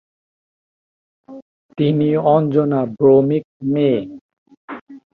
তিনি অঞ্জনা ভৌমিক মেয়ে।